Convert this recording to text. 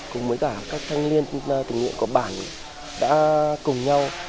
cùng với cả các thanh niên tình nguyện của bản đã cùng nhau